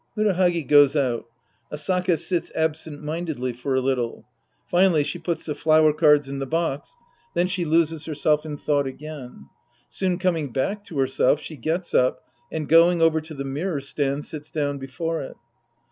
(Murahagi ^0^5 out. Asaka sits absent mindedly for a little. Finally she puts the floiver cards in the box. Then she loses herself in thought again. Soon coming back to herself, she gets up and, going over to the mirror stand, sits down before it.)